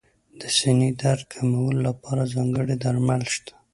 د سینې درد کمولو لپاره ځانګړي درمل شته.